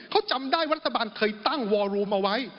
เขาจำได้รัฐบาลเคยตั้งวอรูมเอาไว้